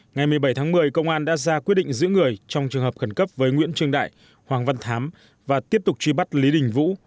ngày một mươi bảy tháng một mươi công an đã ra quyết định giữ người trong trường hợp khẩn cấp với nguyễn trương đại hoàng văn thám và tiếp tục truy bắt lý đình vũ